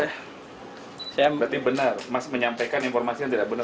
berarti benar menyampaikan informasi yang tidak benar